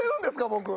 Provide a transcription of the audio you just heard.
僕。